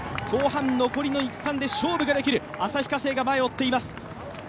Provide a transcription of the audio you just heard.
後半残りの２区間で勝負ができる旭化成が前を追っています。